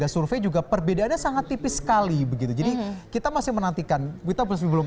survei juga perbedaannya sangat tipis sekali begitu jadi kita masih menantikan kita masih belum